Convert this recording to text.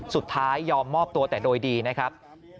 สุดท้ายยอมมอบตัวแต่โดยดีนะครับ